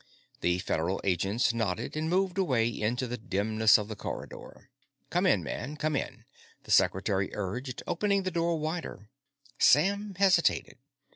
The Federal agents nodded and moved away into the dimness of the corridor. "Come in, man, come in," the Secretary urged, opening the door wider. Sam hesitated.